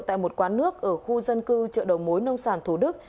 tại một quán nước ở khu dân cư chợ đầu mối nông sản thủ đức